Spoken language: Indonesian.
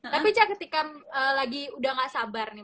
tapi cah ketika lagi udah gak sabar nih